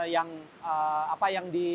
yang apa yang di